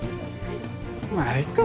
まあいいか。